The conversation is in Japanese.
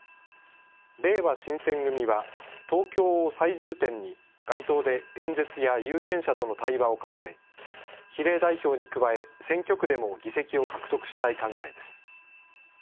れいわ新選組は、東京を最重点に街頭で演説や有権者との対話を重ね、比例代表に加え、選挙区でも議席を獲得したい考えです。